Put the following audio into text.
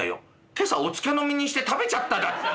『今朝おつけの実にして食べちゃった』だって。